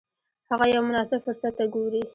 هغه یو مناسب فرصت ته ګوري.